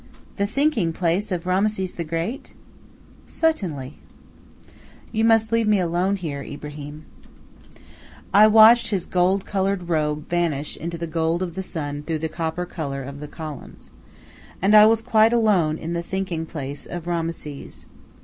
"The thinking place of Rameses the Great!" "Suttinly." "You must leave me alone here, Ibrahim." I watched his gold colored robe vanish into the gold of the sun through the copper color of the columns. And I was quite alone in the "thinking place" of Rameses.